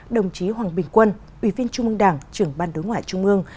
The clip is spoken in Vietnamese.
đồng chí hoàng bình quân ủy viên trung ương đảng trưởng ban đối ngoại trung ương